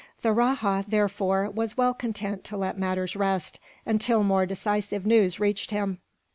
The rajah, therefore, was well content to let matters rest, until more decisive news reached him.